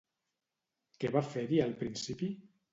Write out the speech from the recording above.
Què va fer-hi al principi?